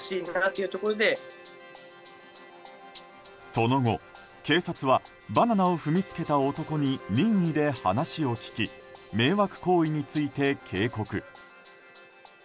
その後、警察はバナナを踏みつけた男に任意で話を聞き迷惑行為について警告。